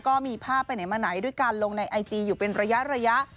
ก็มีภาพไปไหนมาไหนด้วยการลงในไอจีอยู่เป็นระยะ